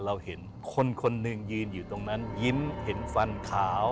เราเห็นคนคนหนึ่งยืนอยู่ตรงนั้นยิ้มเห็นฟันขาว